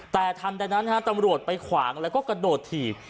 แต่ทันใดนั้นตำรวจไปขวางแล้วก็กระโดดถีบ